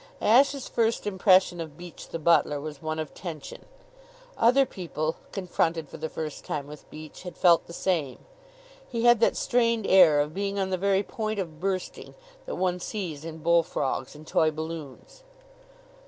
Ashe's first impression of Beach, the butler, was one of tension. Other people, confronted for the first time with Beach, had felt the same. He had that strained air of being on the very point of bursting that one sees in bullfrogs and toy balloons.